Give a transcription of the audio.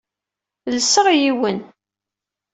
Llseɣ yiwen.